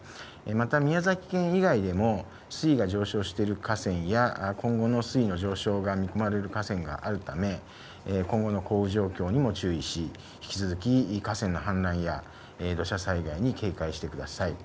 また、宮崎県以外でも水位が上昇している河川や今後の水位の上昇が見込まれる河川があるため、今後の降雨状況にも注意し、引き続き河川の氾濫や土砂災害に警戒してください。